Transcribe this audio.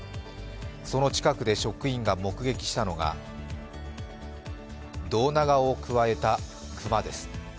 その近くで職員が目撃したのが胴長をくわえたクマです。